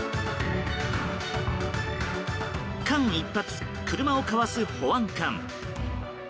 間一髪、車をかわす保安官。